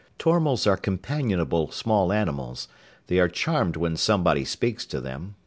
Tormals are companionable small animals. They are charmed when somebody speaks to them.